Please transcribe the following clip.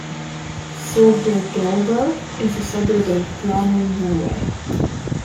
Solbergelva is a suburb of Drammen, Norway.